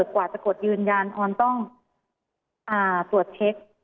กว่าจะกดยืนยันออนต้องตรวจเช็ค